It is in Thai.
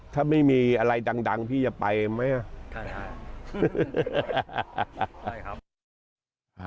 ถ้าไม่มีอะไรดังดังพี่จะไปไหมอ่ะค่ะค่ะ